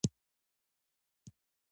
پاڼې د باد له مستۍ سره لوبې کوي